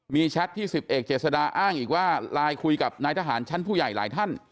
มีแชทที่๑๐เอกเจษดาอ้างอีกว่าไลน์คุยกับนายทหารชั้นผู้ใหญ่หลายท่าน